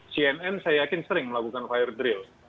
cnn saya yakin sering melakukan fire drill